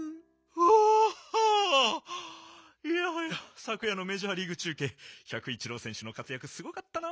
ふあいやはやさくやのメジャーリーグちゅうけいヒャクイチローせんしゅのかつやくすごかったな。